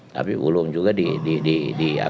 tapi belum juga diakui ya